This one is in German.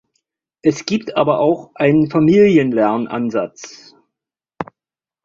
Es gibt aber auch einen Familienlernansatz.